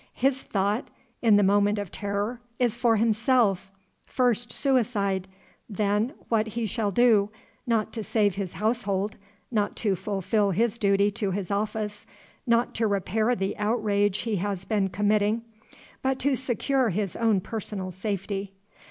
His thought, in the moment of terror, is for himself: first, suicide; then, what he shall do, not to save his household, not to fulfil his duty to his office, not to repair the outrage he has been committing, but to secure his own personal safety.